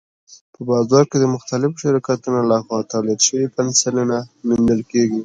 په بازار کې د مختلفو شرکتونو لخوا تولید شوي پنسلونه موندل کېږي.